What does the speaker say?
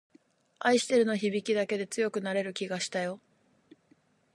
愛してるの響きだけで強くなれる気がしたよ